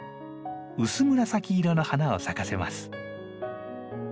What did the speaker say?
薄紫色の花を咲かせます。